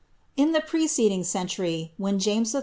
In the preceding centur}', when James 111.